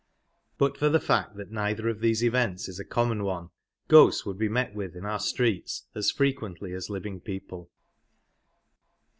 But for the fact that neither of these events is a common one, ghosts would be met with in our streets as frequently as living people.